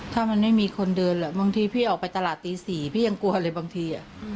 ถ้ามันไม่มีคนเดินบางทีพี่ออกไปตลาดตี๔พี่ยังกลัวเลยบางที